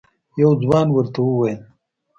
یو ځوان ورته وویل: